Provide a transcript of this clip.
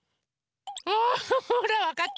ほらわかった？